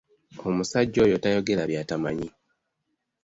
Omusajja oyo tayogera by'atamanyi.